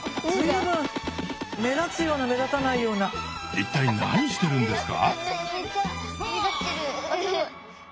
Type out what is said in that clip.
一体何してるんですか？